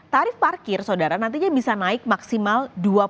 tarif parkir saudara nantinya bisa naik maksimal dua puluh lima